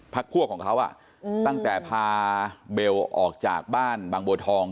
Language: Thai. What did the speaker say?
พักคั่วของเขาอ่ะอือตั้งแต่พาเบลออกจากบ้านบางบวกทอง